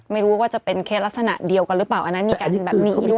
ไม่รู้ว่าจะเป็นเคสลักษณะเดียวกันหรือเปล่าอันนั้นมีการทำแบบนี้ด้วย